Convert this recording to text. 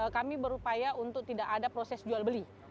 kami berupaya untuk tidak ada proses jual beli